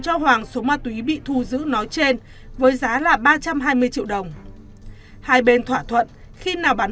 cho hoàng số ma túy bị thu giữ nói trên với giá là ba trăm hai mươi triệu đồng hai bên thỏa thuận khi nào bán